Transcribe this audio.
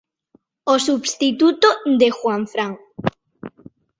O substituto de Juanfran.